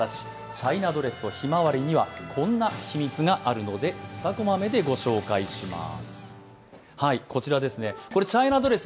チャイナドレスと、ひまわりにはこんな秘密があるので２コマ目でご紹介します。